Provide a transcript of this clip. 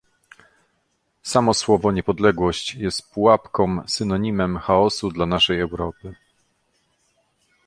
Samo słowo "niepodległość" jest pułapką, synonimem chaosu dla naszej Europy